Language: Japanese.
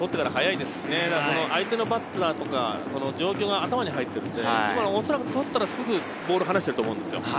相手のバッターとか状況が頭に入っているので、おそらく捕ったらすぐボールを話していると思うんですよ。